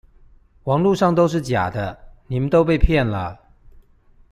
網路上都是假的，你們都被騙了